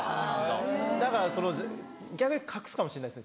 だから逆に隠すかもしれないです